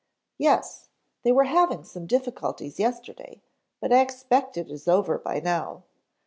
"Yes. They were having some difficulties yesterday, but I expect it is over by now.